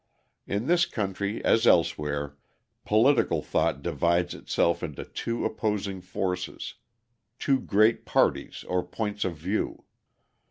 In this country, as elsewhere, political thought divides itself into two opposing forces, two great parties or points of view.